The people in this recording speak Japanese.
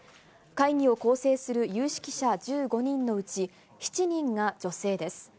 会議を構成する有識者１５人のうち、７人が女性です。